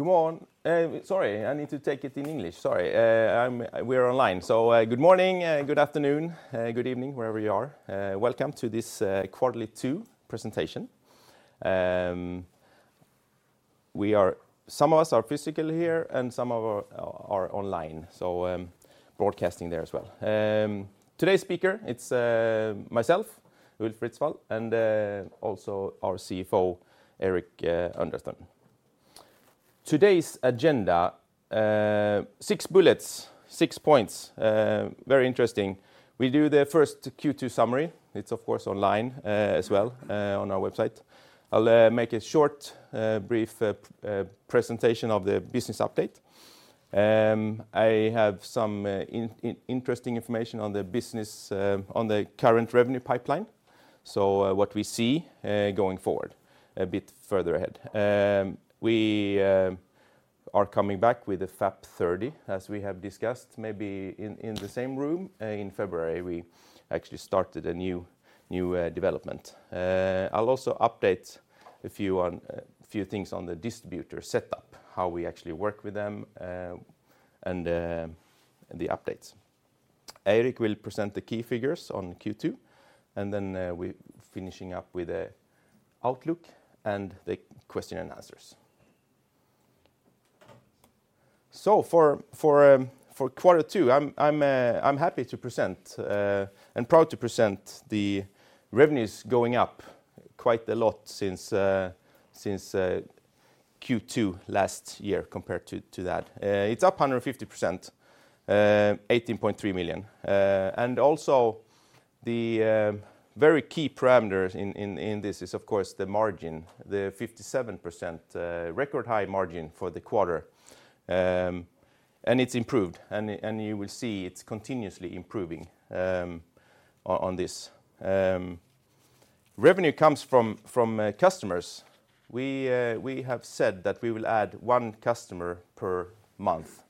Good morning. Sorry, I need to take it in English. Sorry. We're online. So, good morning and good afternoon, good evening, wherever you are. Welcome to this Quarterly Two presentation. Some of us are physically here, and some of us are online, so, broadcasting there as well. Today's speaker, it's myself, Ulf Ritsvall, and also our CFO, Eirik Underthun. Today's agenda, six bullets, six points, very interesting. We do the first Q2 summary. It's of course online as well on our website. I'll make a short brief presentation of the business update. I have some interesting information on the business, on the current revenue pipeline, so, what we see going forward a bit further ahead. We are coming back with a FAP30, as we have discussed, maybe in the same room. In February, we actually started a new development. I'll also update a few things on the distributor setup, how we actually work with them, and the updates. Eirik will present the key figures on Q2, and then we finishing up with a outlook and the question and answers. So for quarter two, I'm happy to present and proud to present the revenues going up quite a lot since Q2 last year, compared to that. It's up 150%, 18.3 million. And also, the very key parameters in this is, of course, the margin, the 57%, record high margin for the quarter. And it's improved, and you will see it's continuously improving, on this. Revenue comes from customers. We have said that we will add one customer per month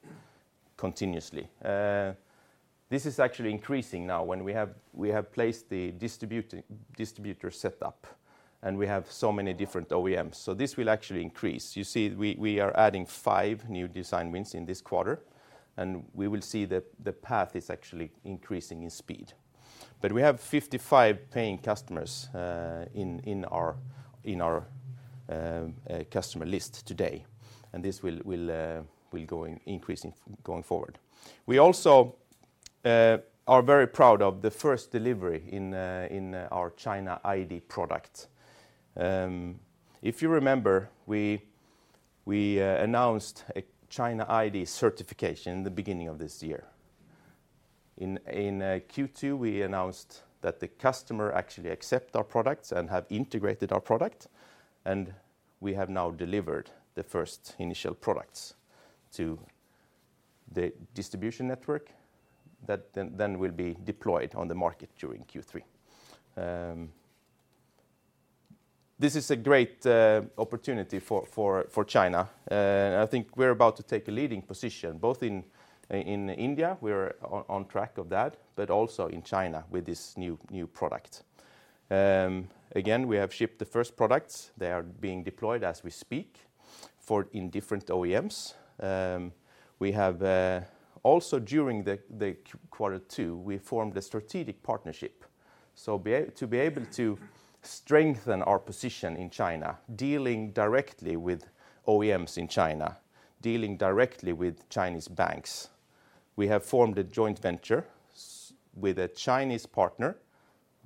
continuously. This is actually increasing now, when we have placed the distributor setup, and we have so many different OEMs, so this will actually increase. You see, we are adding five new design wins in this quarter, and we will see that the path is actually increasing in speed. But we have 55 paying customers in our customer list today, and this will increase in going forward. We also are very proud of the first delivery in our China ID product. If you remember, we announced a China ID certification in the beginning of this year. In Q2, we announced that the customer actually accept our products and have integrated our product, and we have now delivered the first initial products to the distribution network that then will be deployed on the market during Q3. This is a great opportunity for China, and I think we're about to take a leading position, both in India, we're on track of that, but also in China with this new product. Again, we have shipped the first products. They are being deployed as we speak in different OEMs. We have also during the quarter two formed a strategic partnership, so to be able to strengthen our position in China, dealing directly with OEMs in China, dealing directly with Chinese banks, we have formed a joint venture with a Chinese partner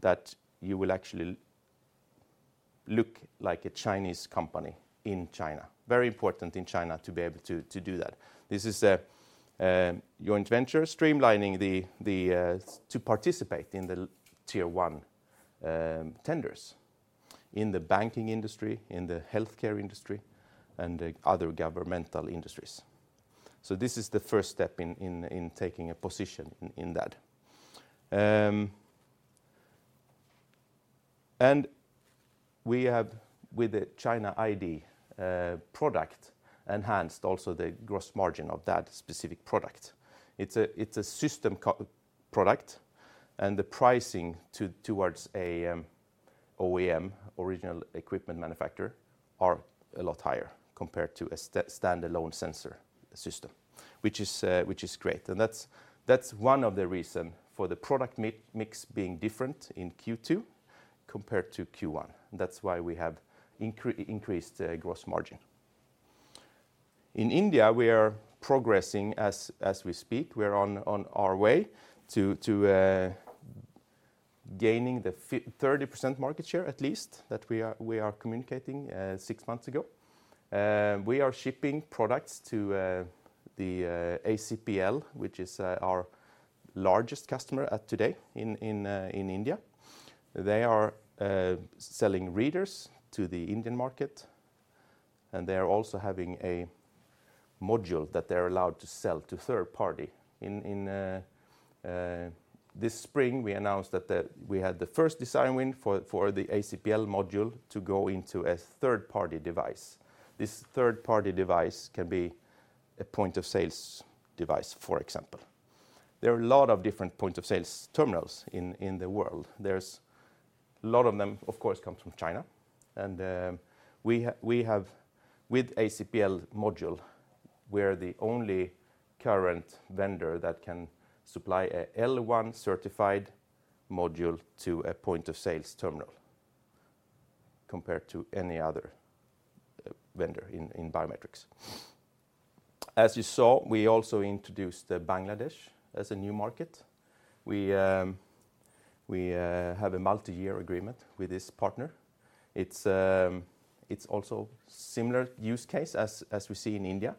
that will actually look like a Chinese company in China. Very important in China to be able to do that. This is a joint venture streamlining to participate in the Tier 1 tenders in the banking industry, in the healthcare industry, and the other governmental industries, so this is the first step in taking a position in that. And we have with the China ID product enhanced also the gross margin of that specific product. It's a system co-product, and the pricing towards a OEM, original equipment manufacturer, are a lot higher compared to a standalone sensor system, which is great, and that's one of the reason for the product mix being different in Q2 compared to Q1. That's why we have increased gross margin. In India, we are progressing as we speak. We're on our way to gaining the 30% market share, at least, that we are communicating six months ago. We are shipping products to the ACPL, which is our largest customer at today in India. They are selling readers to the Indian market, and they are also having a module that they're allowed to sell to third party. In this spring, we announced that we had the first design win for the ACPL module to go into a third-party device. This third-party device can be a point of sale device, for example. There are a lot of different point of sale terminals in the world. A lot of them, of course, come from China, and we have, with ACPL module, we are the only current vendor that can supply a L1-certified module to a point of sale terminal, compared to any other vendor in biometrics. As you saw, we also introduced Bangladesh as a new market. We have a multi-year agreement with this partner. It's also similar use case as we see in India.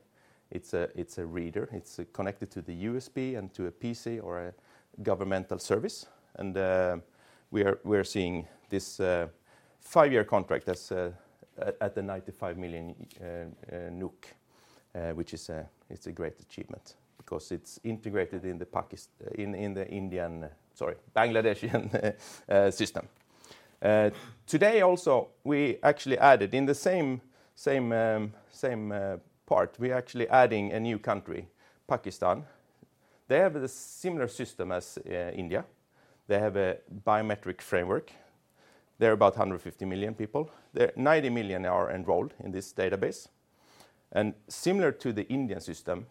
It's a reader. It's connected to the USB and to a PC or a governmental service. And we are seeing this five-year contract as at the 95 million NOK, which is, it's a great achievement because it's integrated in the Pakist- in the Indian-- sorry, Bangladeshi system. Today also, we actually added in the same part, we're actually adding a new country, Pakistan. They have a similar system as India. They have a biometric framework. They're about 150 million people. 90 million are enrolled in this database, and similar to the Indian system,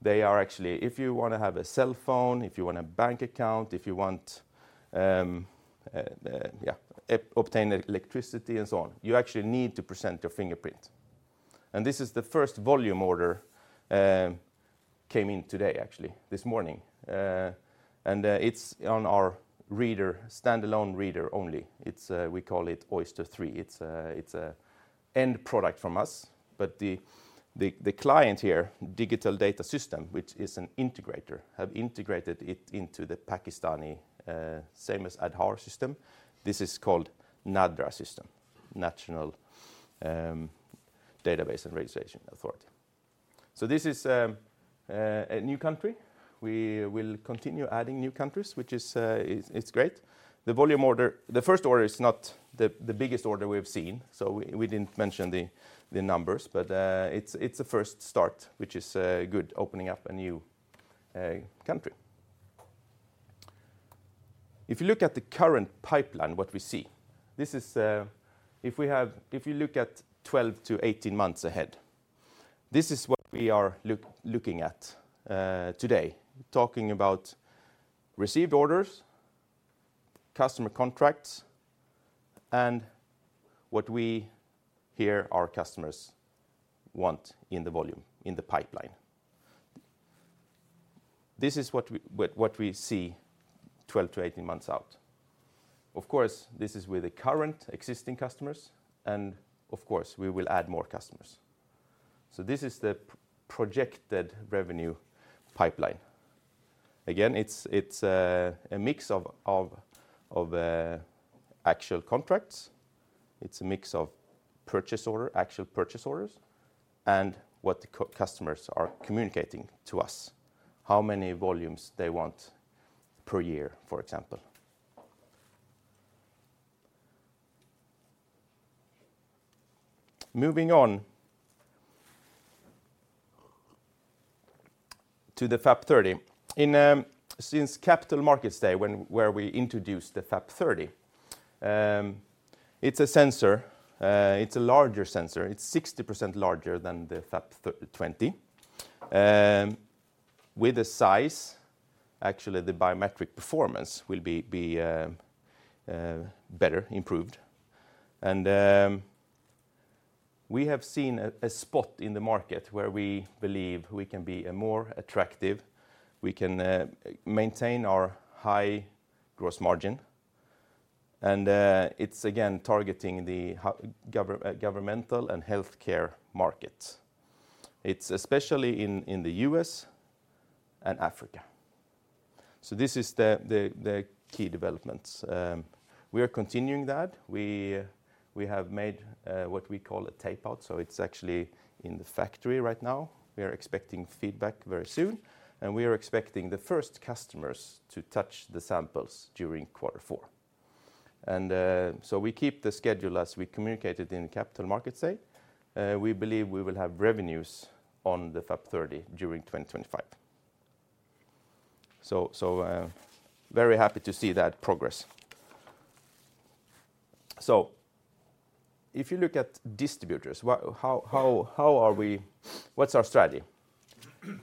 they are actually... If you wanna have a cell phone, if you want a bank account, if you want, yeah, obtain electricity, and so on, you actually need to present your fingerprint. This is the first volume order, came in today, actually, this morning. And it's on our reader, standalone reader only. It's, we call it Oyster III. It's an end product from us, but the client here, Digital Data Systems, which is an integrator, have integrated it into the Pakistani, same as Aadhaar system. This is called NADRA system, National Database and Registration Authority. So this is a new country. We will continue adding new countries, which is great. The volume order. The first order is not the biggest order we have seen, so we didn't mention the numbers, but it's a first start, which is good, opening up a new country. If you look at the current pipeline, what we see, this is... If you look at twelve to eighteen months ahead, this is what we are looking at today. Talking about received orders, customer contracts, and what we hear our customers want in the volume, in the pipeline. This is what we see twelve to eighteen months out. Of course, this is with the current existing customers, and of course, we will add more customers. So this is the projected revenue pipeline. Again, it's a mix of actual contracts, it's a mix of purchase orders, and what the customers are communicating to us, how many volumes they want per year, for example. Moving on to the FAP30. Since Capital Markets Day, when we introduced the FAP30, it's a sensor, it's a larger sensor. It's 60% larger than the FAP20. With the size, actually, the biometric performance will be better improved. We have seen a spot in the market where we believe we can be more attractive, we can maintain our high gross margin, and it's again targeting the governmental and healthcare market. It's especially in the U.S. and Africa. This is the key developments. We are continuing that. We have made what we call a tape-out, so it's actually in the factory right now. We are expecting feedback very soon, and we are expecting the first customers to touch the samples during quarter four. We keep the schedule as we communicated in Capital Markets Day. We believe we will have revenues on the FAP30 during twenty twenty-five. Very happy to see that progress. If you look at distributors, what, how are we, what's our strategy?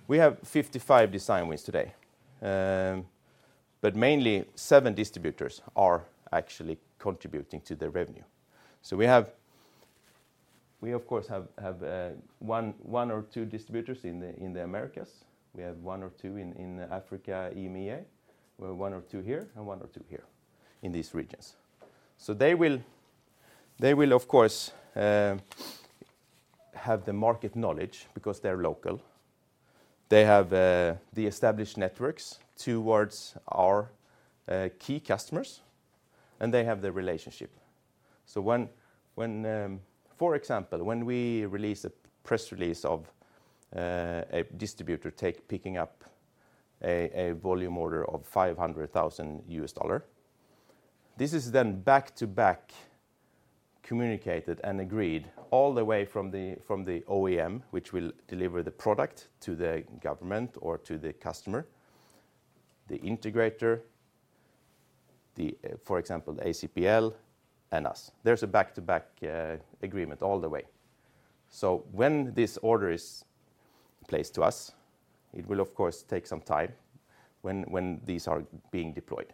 We have 55 design wins today, but mainly seven distributors are actually contributing to the revenue. We have, of course, one or two distributors in the Americas. We have one or two in Africa, EMEA. We have one or two here and one or two here in these regions. They will, of course, have the market knowledge because they're local. They have the established networks towards our key customers, and they have the relationship. When, for example, when we release a press release of a distributor picking up a volume order of $500,000, this is then back-to-back-... communicated and agreed all the way from the, from the OEM, which will deliver the product to the government or to the customer, the integrator, the, for example, ACPL and us. There's a back-to-back agreement all the way. So when this order is placed to us, it will of course take some time when these are being deployed.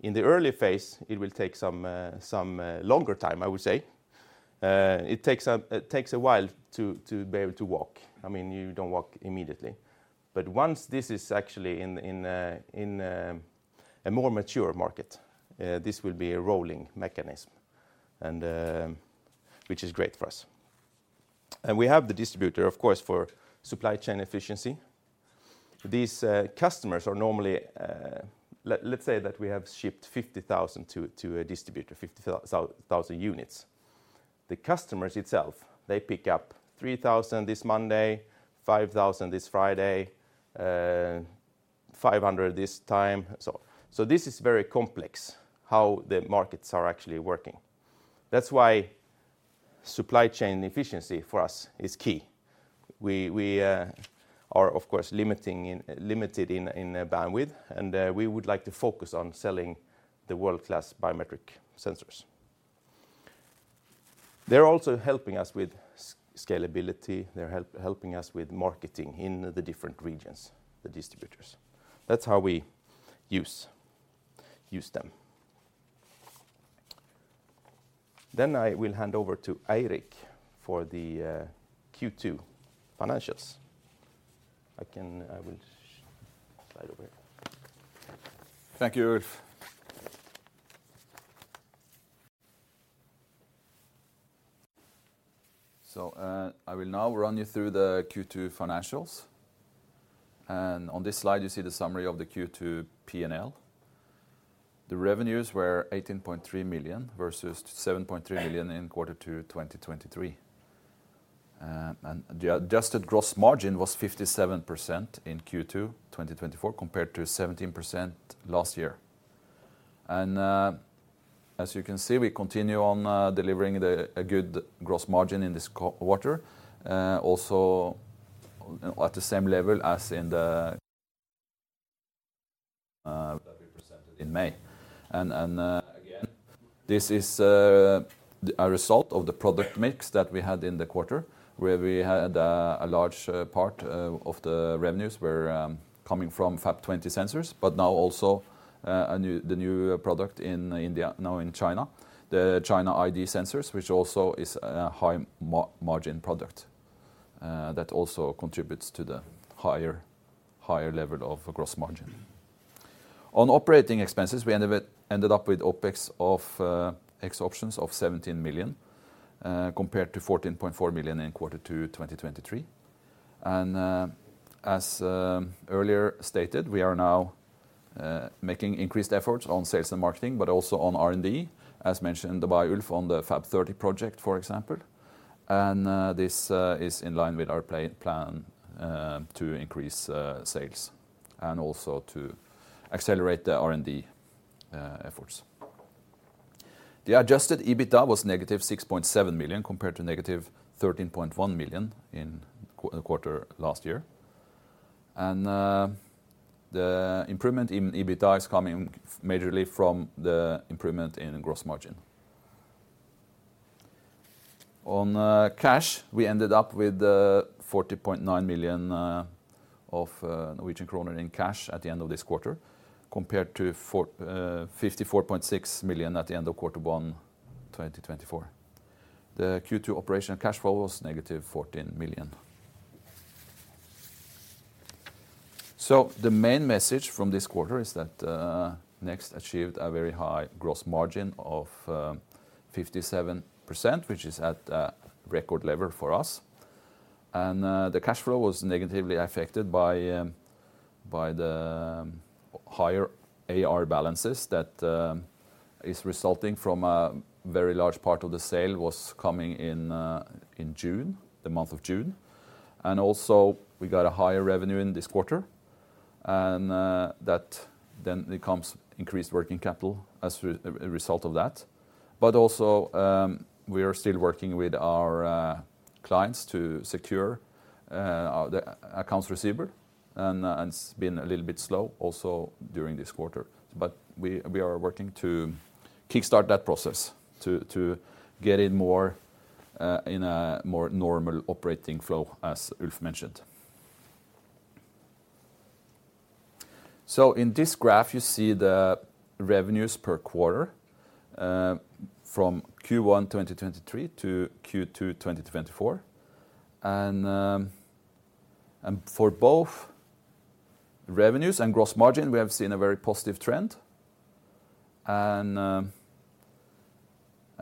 In the early phase, it will take some longer time, I would say. It takes a while to be able to walk. I mean, you don't walk immediately. But once this is actually in a more mature market, this will be a rolling mechanism, and which is great for us. And we have the distributor, of course, for supply chain efficiency. These customers are normally... Let's say that we have shipped fifty thousand to a distributor, fifty thousand units. The customers themselves, they pick up three thousand this Monday, five thousand this Friday, five hundred this time. So this is very complex, how the markets are actually working. That's why supply chain efficiency for us is key. We are of course limited in bandwidth, and we would like to focus on selling the world-class biometric sensors. They're also helping us with scalability, they're helping us with marketing in the different regions, the distributors. That's how we use them. Then I will hand over to Eirik for the Q2 financials. I will slide over. Thank you, Ulf. I will now run you through the Q2 financials, and on this slide, you see the summary of the Q2 P&L. The revenues were 18.3 million versus 7.3 million in quarter 2 2023, and the adjusted gross margin was 57% in Q2 2024, compared to 17% last year. As you can see, we continue on delivering a good gross margin in this quarter, also at the same level as in that we presented in May. Again, this is a result of the product mix that we had in the quarter, where we had a large part of the revenues coming from FAP20 sensors, but now also the new product in India, now in China, the China ID sensors, which also is a high margin product that also contributes to the higher level of gross margin. On operating expenses, we ended up with OpEx excluding options of 17 million compared to 14.4 million in quarter two 2023. As earlier stated, we are now making increased efforts on sales and marketing, but also on R&D, as mentioned by Ulf on the FAP30 project, for example. This is in line with our plan to increase sales and also to accelerate the R&D efforts. The adjusted EBITDA was negative 6.7 million, compared to negative 13.1 million in quarter last year. The improvement in EBITDA is coming majorly from the improvement in gross margin. On cash, we ended up with 40.9 million of Norwegian kroner in cash at the end of this quarter, compared to 54.6 million at the end of quarter one 2024. The Q2 operational cash flow was negative NOK 14 million. The main message from this quarter is that Next achieved a very high gross margin of 57%, which is at a record level for us. And the cash flow was negatively affected by the higher AR balances that is resulting from a very large part of the sale was coming in in June, the month of June. And also, we got a higher revenue in this quarter, and that then becomes increased working capital as a result of that. But also, we are still working with our clients to secure the accounts receivable, and it's been a little bit slow also during this quarter. But we are working to kickstart that process, to get it more in a more normal operating flow, as Ulf mentioned. So in this graph, you see the revenues per quarter from Q1 2023 to Q2 2024. For both revenues and gross margin, we have seen a very positive trend, and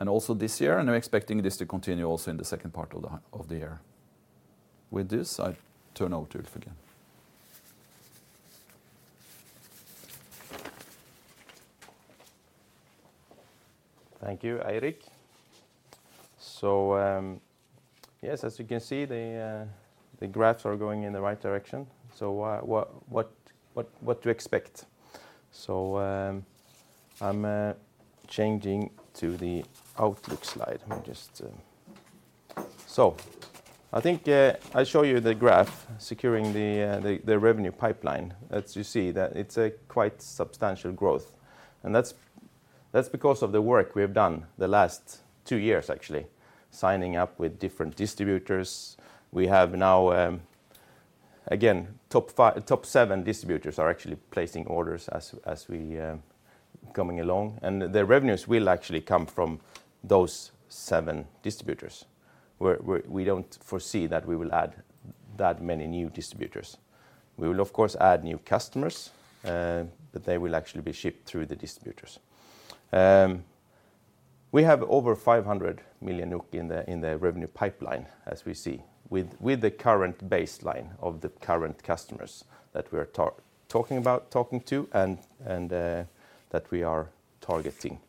also this year, and we're expecting this to continue also in the second part of the year. With this, I turn over to Ulf again. Thank you, Eirik. So, yes, as you can see, the graphs are going in the right direction. So what to expect? So, I'm changing to the outlook slide. Let me just... So I think I show you the graph, securing the revenue pipeline. As you see, that it's a quite substantial growth, and that's because of the work we have done the last two years, actually, signing up with different distributors. We have now, again, top seven distributors are actually placing orders as we coming along, and the revenues will actually come from those seven distributors. We don't foresee that we will add that many new distributors. We will, of course, add new customers, but they will actually be shipped through the distributors. We have over 500 million NOK in the revenue pipeline, as we see, with the current baseline of the current customers that we're talking about, talking to, and that we are targeting.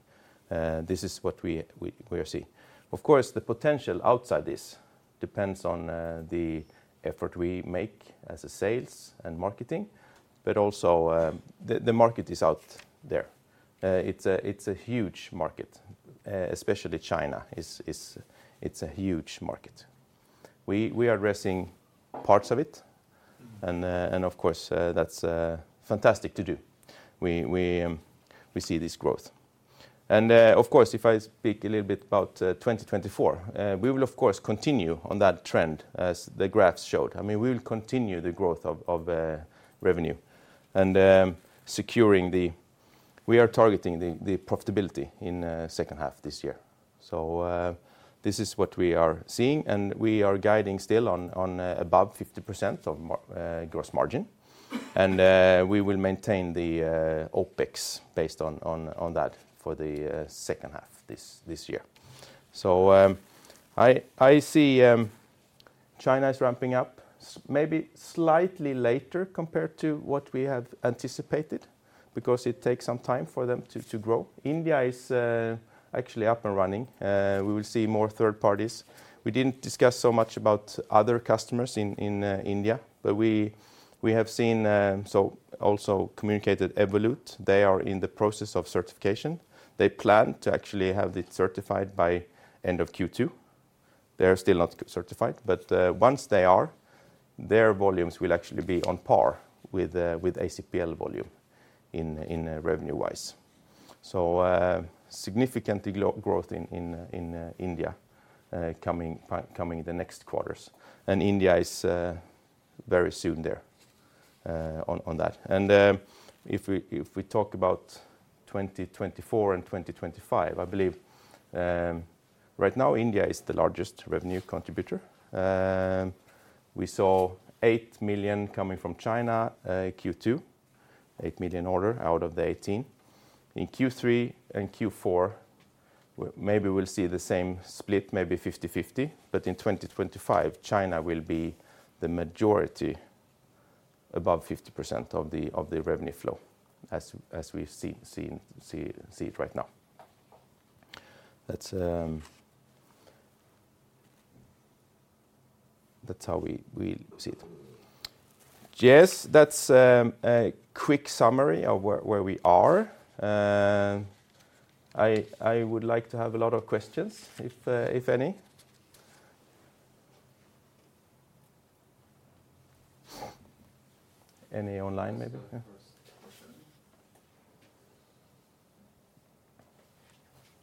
This is what we are seeing. Of course, the potential outside this depends on the effort we make as a sales and marketing, but also the market is out there. It's a huge market, especially China is a huge market. We are addressing parts of it, and of course, that's fantastic to do. We see this growth. Of course, if I speak a little bit about 2024, we will of course continue on that trend, as the graphs showed. I mean, we will continue the growth of revenue, and securing the-- we are targeting the profitability in second half this year. So, this is what we are seeing, and we are guiding still on above 50% gross margin. And, we will maintain the OpEx based on that for the second half this year. So, I see China is ramping up, maybe slightly later compared to what we had anticipated, because it takes some time for them to grow. India is actually up and running. We will see more third parties. We didn't discuss so much about other customers in India, but we have seen. So also communicated Evolute, they are in the process of certification. They plan to actually have it certified by end of Q2. They're still not certified, but once they are, their volumes will actually be on par with ACPL volume in revenue-wise. So significant growth in India coming in the next quarters. And India is very soon there on that. And if we talk about twenty twenty-four and twenty twenty-five, I believe right now, India is the largest revenue contributor. We saw 8 million NOK coming from China Q2, 8 million NOK order out of the 18 million. In Q3 and Q4 maybe we'll see the same split, maybe 50-50, but in twenty twenty-five, China will be the majority, above 50% of the revenue flow, as we've seen it right now. That's how we see it. Yes, that's a quick summary of where we are. I would like to have a lot of questions, if any. Any online, maybe? First question.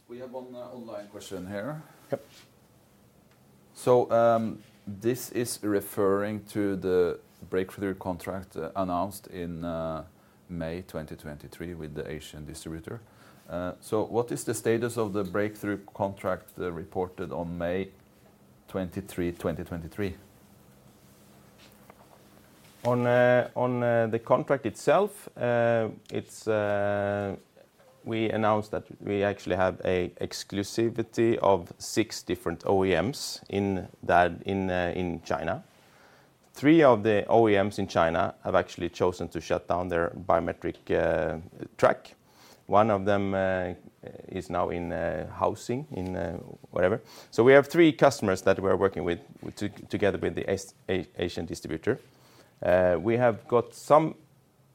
We have one online question here. Yep. This is referring to the breakthrough contract announced in May 2023 with the Asian distributor. What is the status of the breakthrough contract reported on May twenty-three, twenty twenty-three? On the contract itself, it's we announced that we actually have a exclusivity of six different OEMs in that-- in China. Three of the OEMs in China have actually chosen to shut down their biometric track. One of them is now in housing, whatever. So we have three customers that we're working with together with the Asian distributor. We have got some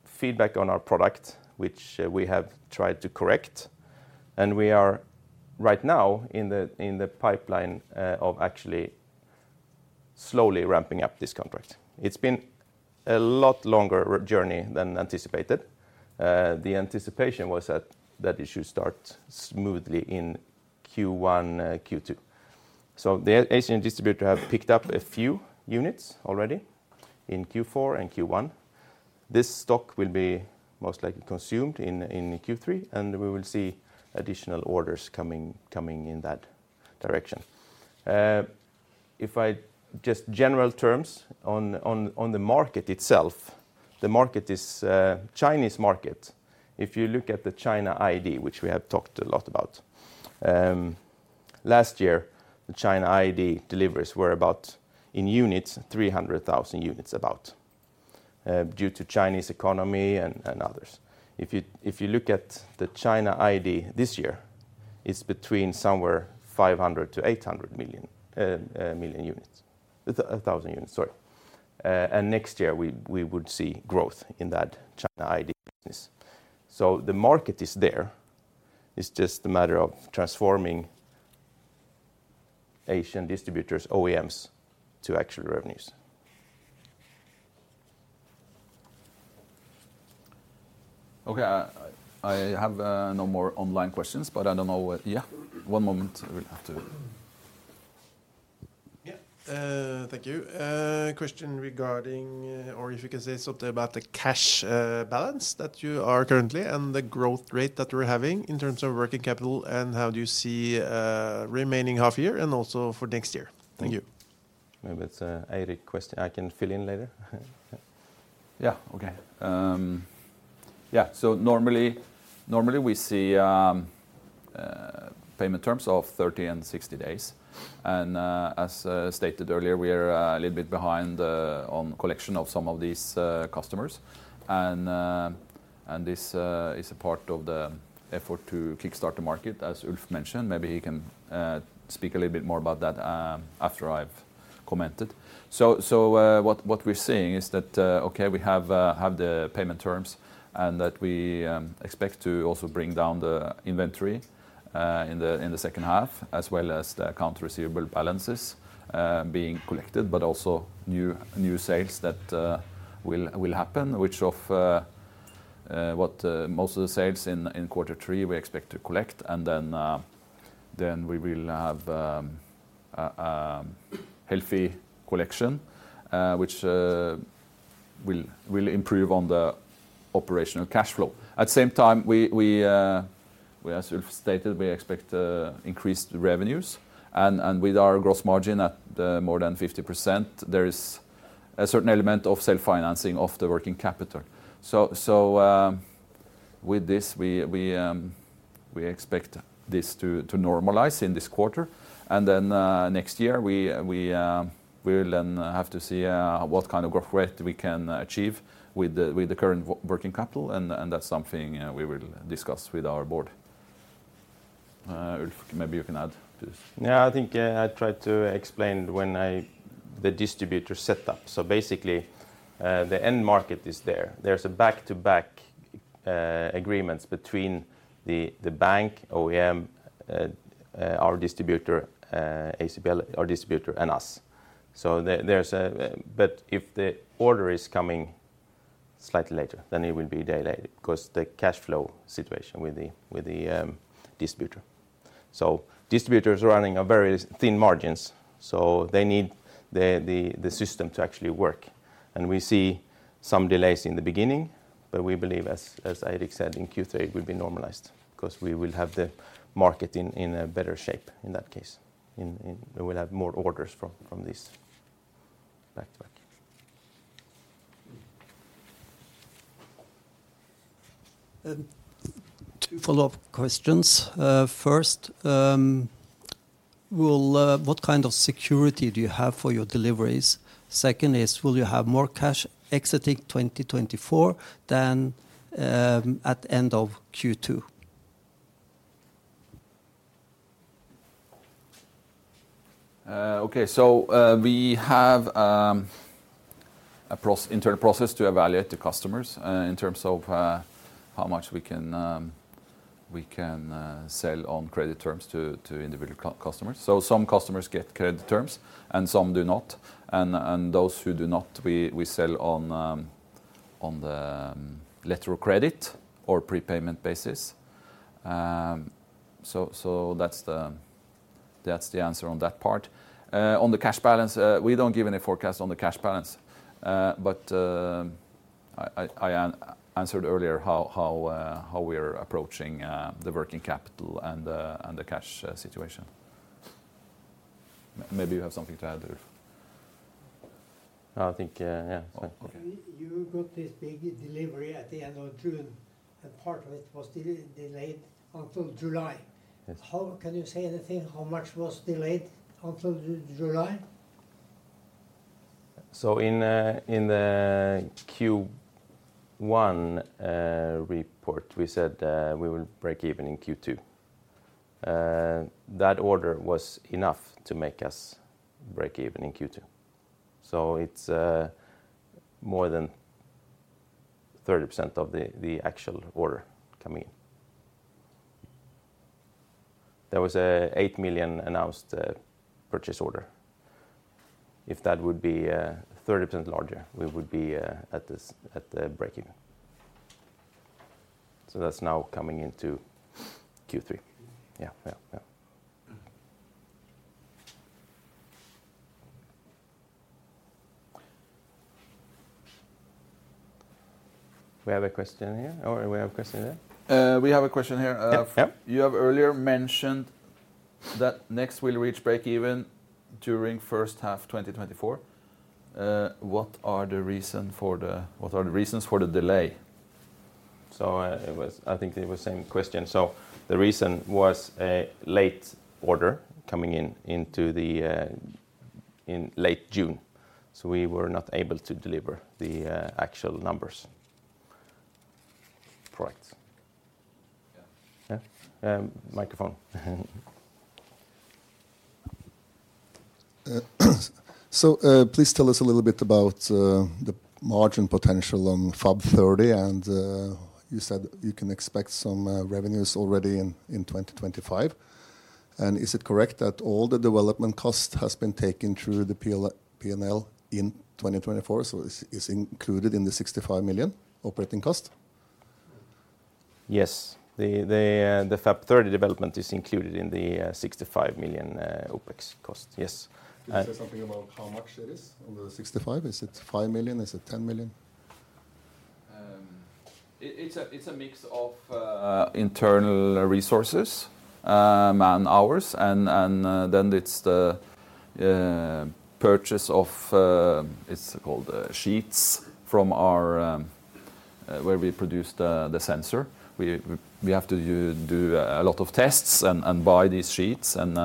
feedback on our product, which we have tried to correct, and we are right now in the pipeline of actually slowly ramping up this contract. It's been a lot longer journey than anticipated. The anticipation was that it should start smoothly in Q1 Q2. So the Asian distributor have picked up a few units already in Q4 and Q1. This stock will be most likely consumed in Q3, and we will see additional orders coming in that direction. If I just general terms on the market itself, the market is Chinese market, if you look at the China ID, which we have talked a lot about, last year, the China ID deliveries were about, in units, three hundred thousand units, about due to Chinese economy and others. If you look at the China ID this year, it's between somewhere 500-800 million, million units. Thousand units, sorry. And next year, we would see growth in that China ID business. So the market is there, it's just a matter of transforming Asian distributors' OEMs to actual revenues. Okay, I have no more online questions, but I don't know what... Yeah, one moment. I will have to- Yeah. Thank you. Question regarding or if you can say something about the cash balance that you are currently and the growth rate that you're having in terms of working capital, and how do you see remaining half year and also for next year? Thank you. Maybe it's a Eirik question I can fill in later. Yeah. Okay. Yeah, so normally we see payment terms of 30 and 60 days. And, as stated earlier, we are a little bit behind on collection of some of these customers. And this is a part of the effort to kickstart the market, as Ulf mentioned. Maybe he can speak a little bit more about that after I've commented. So, what we're seeing is that, okay, we have the payment terms, and that we expect to also bring down the inventory in the second half, as well as the accounts receivable balances being collected, but also new sales that will happen, which most of the sales in quarter three we expect to collect. And then we will have a healthy collection which will improve on the operational cash flow. At the same time, as Ulf stated, we expect increased revenues. And with our gross margin at more than 50%, there is a certain element of self-financing of the working capital. So with this, we expect this to normalize in this quarter, and then next year we'll then have to see what kind of growth rate we can achieve with the current working capital, and that's something we will discuss with our board. Ulf, maybe you can add to this. Yeah, I think, I tried to explain when I the distributor setup. So basically, the end market is there. There's a back-to-back agreements between the bank, OEM, our distributor, ACPL, our distributor, and us. But if the order is coming slightly later, then it will be delayed because the cash flow situation with the distributor. So distributors are running on very thin margins, so they need the system to actually work. And we see some delays in the beginning, but we believe, as Eirik said, in Q3 it will be normalized, 'cause we will have the market in a better shape in that case, and we will have more orders from this back-to-back. Two follow-up questions. First, will... What kind of security do you have for your deliveries? Second is, will you have more cash exiting 2024 than at end of Q2? Okay. So, we have an internal process to evaluate the customers in terms of how much we can sell on credit terms to individual customers. So some customers get credit terms and some do not, and those who do not, we sell on the letter of credit or prepayment basis. So that's the answer on that part. On the cash balance, we don't give any forecast on the cash balance. But I answered earlier how we are approaching the working capital and the cash situation. Maybe you have something to add, Ulf? I think, yeah. Okay. You got this big delivery at the end of June, and part of it was delayed until July. Yes. How can you say anything, how much was delayed until July? So in the Q1 report, we said we will break even in Q2. That order was enough to make us break even in Q2. So it's more than 30% of the actual order coming in. There was an 8 million NOK announced purchase order. If that would be 30% larger, we would be at the break even. So that's now coming into Q3. Mm-hmm. Yeah, yeah, yeah. We have a question here, or we have a question there? We have a question here. Yeah, yeah. You have earlier mentioned that Next will reach break even during first half 2024. What are the reasons for the delay?... so, it was, I think it was same question. So the reason was a late order coming in, into the, in late June, so we were not able to deliver the, actual numbers. Correct. Yeah. Yeah, microphone. So, please tell us a little bit about the margin potential on FAP30, and you said you can expect some revenues already in 2025. And is it correct that all the development cost has been taken through the P&L in 2024, so it's included in the 65 million operating cost? Yes. The FAP30 development is included in the 65 million OpEx cost. Yes. Can you say something about how much it is on the 65? Is it 5 million? Is it 10 million? It's a mix of internal resources, man-hours, and then it's the purchase of... it's called sheets from our where we produce the sensor. We have to do a lot of tests and buy these sheets, and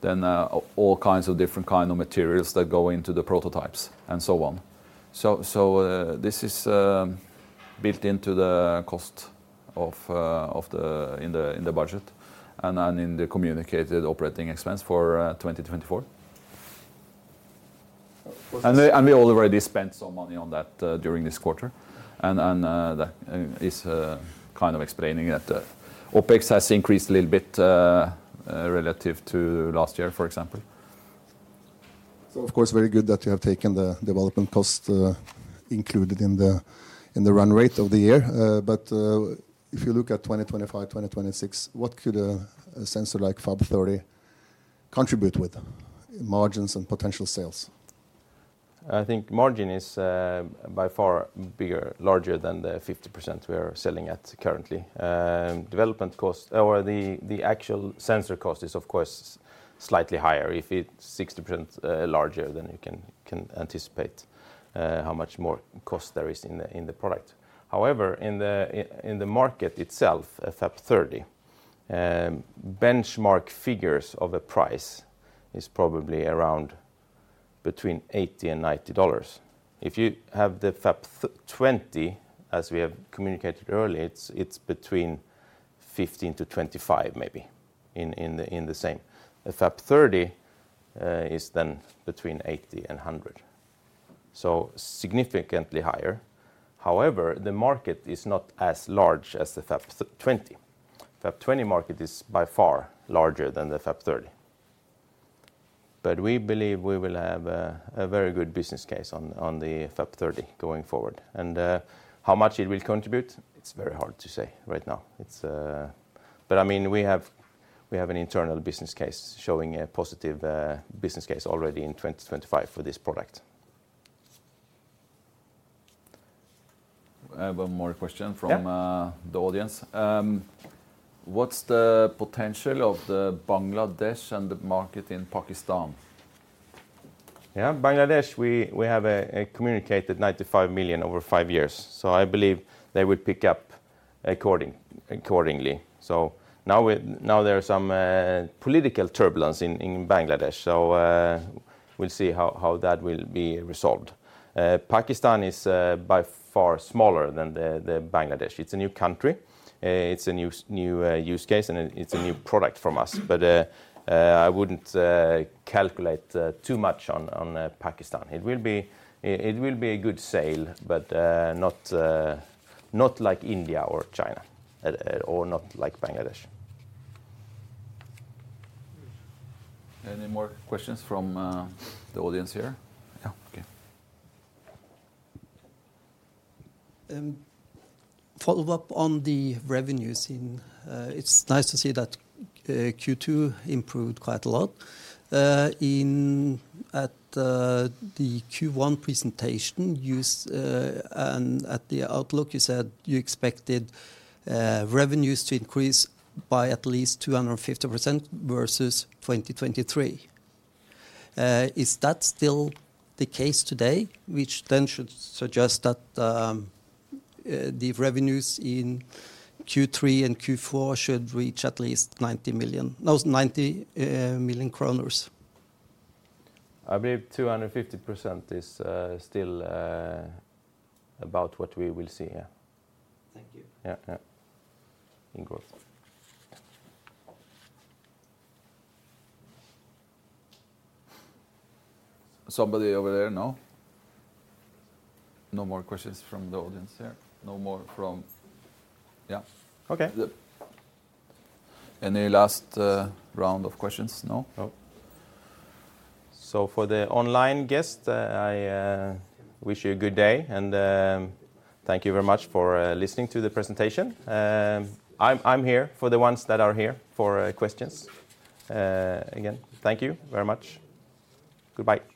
then all kinds of different kind of materials that go into the prototypes, and so on. So, this is built into the cost in the budget and in the communicated operating expense for 2024. Was this- We already spent some money on that during this quarter, and that is kind of explaining that OpEx has increased a little bit relative to last year, for example. Of course, very good that you have taken the development cost included in the run rate of the year. If you look at 2025, 2026, what could a sensor like FAP30 contribute with margins and potential sales? I think margin is by far bigger, larger than the 50% we are selling at currently. Development cost or the actual sensor cost is, of course, slightly higher. If it's 60%, larger, then you can anticipate how much more cost there is in the product. However, in the market itself, a FAP30 benchmark figures of a price is probably around between $80 and $90. If you have the FAP20, as we have communicated earlier, it's between $15 to $25, maybe, in the same. The FAP30 is then between $80 and $100, so significantly higher. However, the market is not as large as the FAP20. FAP20 market is by far larger than the FAP30. But we believe we will have a very good business case on the FAP30 going forward, and how much it will contribute, it's very hard to say right now. It's... But I mean, we have an internal business case showing a positive business case already in 2025 for this product. I have one more question from- Yeah... the audience. What's the potential of the Bangladesh and the market in Pakistan? Yeah, Bangladesh, we have a communicated 95 million over five years, so I believe they would pick up accordingly. So now there are some political turbulence in Bangladesh, so we'll see how that will be resolved. Pakistan is by far smaller than Bangladesh. It's a new country, it's a new use case, and it's a new product from us. But I wouldn't calculate too much on Pakistan. It will be a good sale, but not like India or China, or not like Bangladesh. Any more questions from the audience here? Yeah. Okay. Follow up on the revenues in Q2. It's nice to see that Q2 improved quite a lot. In the Q1 presentation and at the outlook, you said you expected revenues to increase by at least 250% versus 2023. Is that still the case today? Which then should suggest that the revenues in Q3 and Q4 should reach at least 90 million. I believe 250% is still about what we will see, yeah. Thank you. Yeah, yeah. In growth. Somebody over there, no? No more questions from the audience here. No more from... Yeah. Okay. Yep. Any last round of questions? No. No. So for the online guest, I wish you a good day, and thank you very much for listening to the presentation. I'm here for the ones that are here for questions. Again, thank you very much. Goodbye.